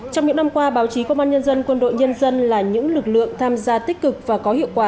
trong những năm qua báo chí công an nhân dân quân đội nhân dân là những lực lượng tham gia tích cực và có hiệu quả